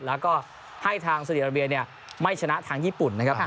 แล้วก็ให้ทางซาดีอาราเบียไม่ชนะทางญี่ปุ่นนะครับ